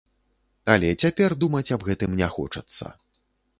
Але цяпер думаць аб гэтым не хочацца.